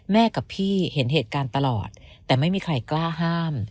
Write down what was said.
กับพี่เห็นเหตุการณ์ตลอดแต่ไม่มีใครกล้าห้าม